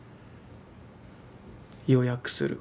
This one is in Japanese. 「予約する」。